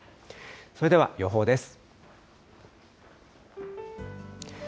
それでは予報です。